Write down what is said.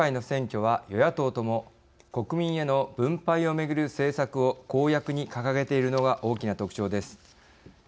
今回の選挙は与野党とも国民への分配をめぐる政策を公約に掲げているのが大きな特徴です。